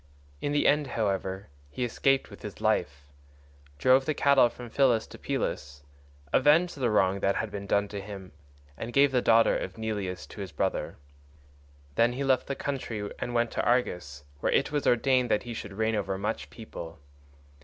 In the end, however, he escaped with his life, drove the cattle from Phylace to Pylos, avenged the wrong that had been done him, and gave the daughter of Neleus to his brother. Then he left the country and went to Argos, where it was ordained that he should reign over much people.